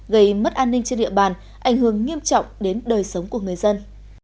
gây mất an ninh trên địa bàn ảnh hưởng nghiêm trọng đến đời sống của người dân